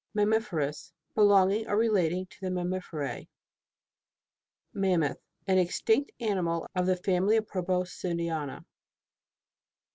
MAMMIFEROUS Belonging or relating to mammiferse. MAMMOTH. An extinct animal of the family of Proboscidiana.